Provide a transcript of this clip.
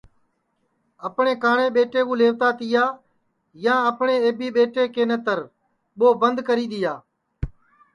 اپٹؔے کاٹؔے ٻیٹے کُو لئیوتا تیا یا اپٹؔے ائبی ٻیٹے کے نتر ٻو بند کری دؔیا